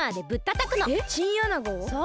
そう。